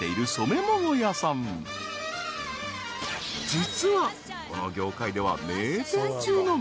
［実はこの業界では］